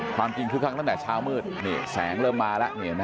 ความจริงคึกคักตั้งแต่เช้ามืดแสงเริ่มมาแล้ว